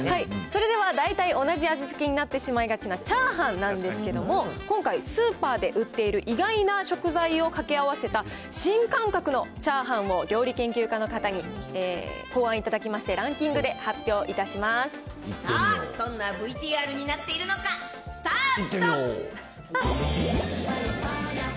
それでは大体同じ味付けになってしまいがちな、チャーハンなんですけども、今回、スーパーで売っている意外な食材を掛け合わせた新感覚のチャーハンを、料理研究家の方に考案頂きまして、ランキングで発表いたしさあ、どんなＶＴＲになっているのか、スタート。